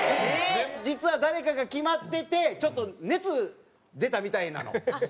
実は誰かが決まっててちょっと熱出たみたいなの。